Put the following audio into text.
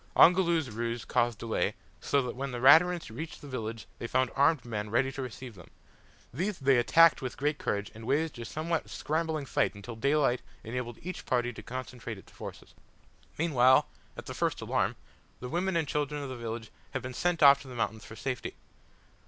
Ongoloo's ruse caused delay, so that when the Raturans reached the village they found armed men ready to receive them. These they attacked with great courage, and waged a somewhat scrambling fight until daylight enabled each party to concentrate its forces. Meanwhile, at the first alarm, the women and children of the village had been sent off to the mountains for safety.